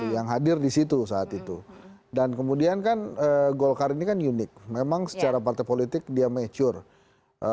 yang hadir di situ saat itu dan kemudian kan golkar ini kan unik memang secara partai politik dia mature